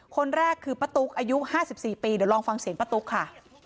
คนแรกคือป้าตุ๊กอายุ๕๔ปีเดี๋ยวลองฟังเสียงป้าตุ๊กค่ะ